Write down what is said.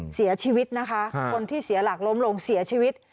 เสียชีวิตนะคะคนที่เสียหลักล้มลงเสียชีวิต